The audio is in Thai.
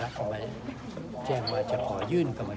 ลับศิรัมย์แจ้งมาผมจะขอเอื่นกรรมการ